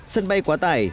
sân bay quá tải